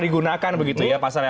digunakan begitu ya pasar yang anda